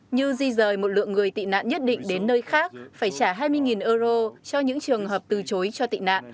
như di rời một lượng người tị nạn nhất định đến nơi khác phải trả hai mươi euro cho những trường hợp từ chối cho tị nạn